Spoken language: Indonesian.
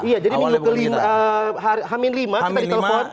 iya jadi minggu kelima hamin lima kita ditelepon